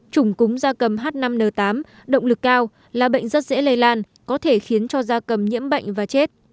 trùng cúm gia cầm h năm n tám động lực cao là bệnh rất dễ lây lan có thể khiến cho gia cầm nhiễm bệnh và chết